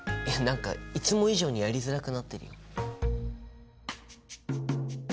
いや何かいつも以上にやりづらくなってるよ。